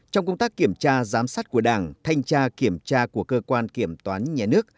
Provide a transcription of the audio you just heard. trong công tác kiểm tra giám sát của đảng thanh tra kiểm tra của cơ quan kiểm toán nhà nước